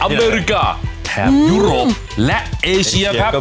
อเมริกาแถบยุโรปและเอเชียครับ